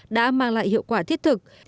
đã mang lại hiệu quả thiết thực